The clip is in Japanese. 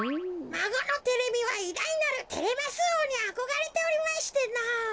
まごのテレミはいだいなるテレマスおうにあこがれておりましてのぉ。